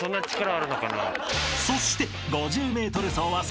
［そして］